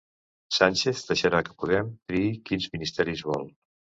Sánchez deixarà que Podem triï quins ministeris vol